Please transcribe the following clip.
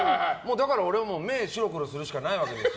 だから俺は目を白黒するしかないわけです。